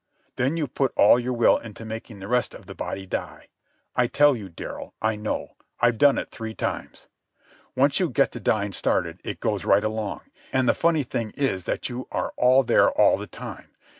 Then you put all your will into making the rest of the body die. I tell you, Darrell, I know. I've done it three times. "Once you get the dying started, it goes right along. And the funny thing is that you are all there all the time.